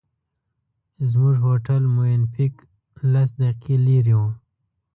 زموږ هوټل مووېن پېک لس دقیقې لرې و.